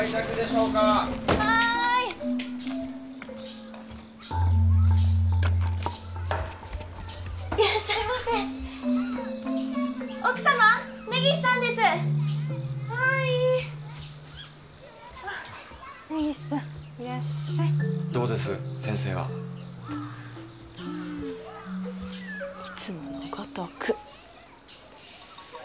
うんいつものごとく。